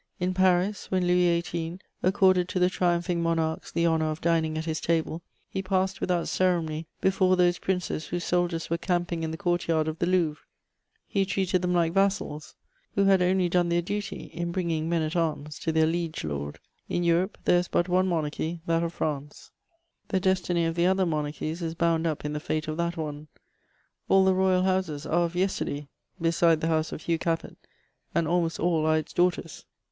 In Paris, when Louis XVIII. accorded to the triumphing monarchs the honour of dining at his table, he passed without ceremony before those princes whose soldiers were camping in the court yard of the Louvre; he treated them like vassals who had only done their duty in bringing men at arms to their liege lord. In Europe there is but one monarchy, that of France; the destiny of the other monarchies is bound up in the fate of that one. All the Royal Houses are of yesterday beside the House of Hugh Capet, and almost all are its daughters.